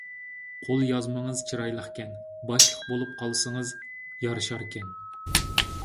قول يازمىڭىز چىرايلىقكەن، باشلىق بولۇپ قالسىڭىز يارىشاركەن.